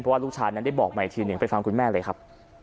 เพราะลูกชาตินั้นได้บอกไปคุณแม่เลยครับ